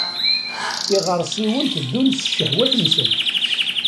Iɣersiwen tteddun s ccehwat-nsen.